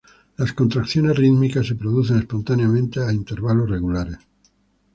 Las contracciones rítmicas se producen espontáneamente y a intervalos regulares.